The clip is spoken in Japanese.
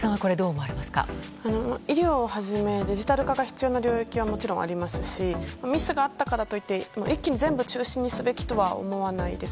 医療をはじめデジタル化が必要な領域はありますしミスがあったからと言って全部だめにするのは思わないです。